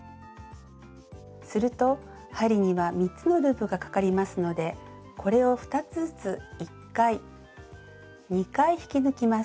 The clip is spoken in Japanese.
すると針には３つのループがかかりますのでこれを２つずつ１回２回引き抜きます。